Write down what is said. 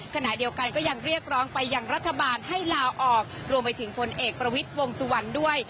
ขณะเดียวกันก็ยังเรียกร้องไปยังรัฐบาลให้ลาออกรวมไปถึงผลเอกประวิทย์วงสุวรรณด้วย